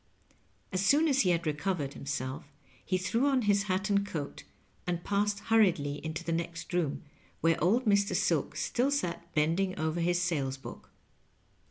As soon as be bad recovered himself, be threw on bis hat and coat, and passed bnrriedly into the next room, where old Mr. Silk stiU sat bending over his sales book.